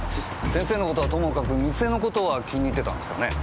先生の事はともかく店の事は気に入ってたんですかね？